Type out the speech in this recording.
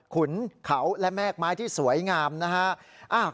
ขุนเขาและแม่กไม้ที่สวยงามนะฮะ